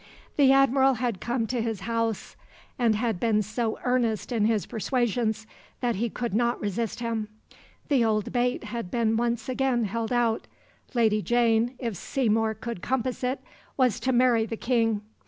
The Admiral had come to his house, and had been so earnest in his persuasions that he could not resist him. The old bait had been once again held out Lady Jane, if Seymour could compass it, was to marry the King.